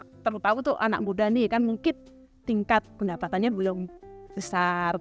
kan memang kalau waktu terlalu tahu tuh anak muda nih kan mungkin tingkat pendapatannya belum besar